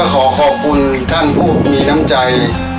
ขอขอบคุณท่านผู้มีน้ำใจ